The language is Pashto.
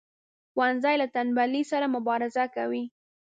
ښوونځی له تنبلی سره مبارزه کوي